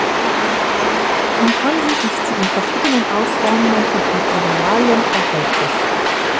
Im Handel ist sie in verschiedenen Ausformungen und Materialien erhältlich.